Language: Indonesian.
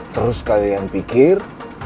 terus kalian pikir